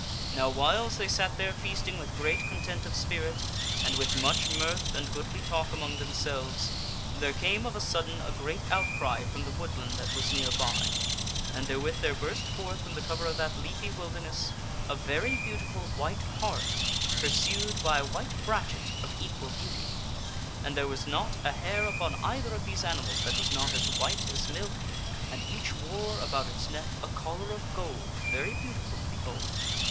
Now whiles they sat there feasting with great content of spirit, and with much mirth and goodly talk among themselves, there came of a sudden a A white hart great outcry from the woodland that was near by, and there anda white with there burst forth from the cover of that leafy wilderness before KingAr a very beautiful white hart pursued by a white brachet of thur at feast. equal beauty. And there was not a hair upon either of these animals that was not as white as milk, and each wore about its neck a collar of gold very beautiful to behold.